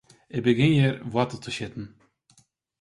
Ik begjin hjir woartel te sjitten.